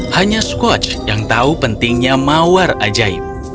hanya squatch yang tahu pentingnya mawar ajaib